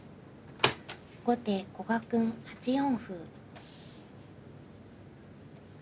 後手古賀くん８四歩。